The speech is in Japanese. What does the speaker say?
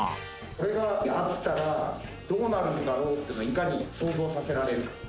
「これがあったらどうなるんだろう？っていうのをいかに想像させられるか」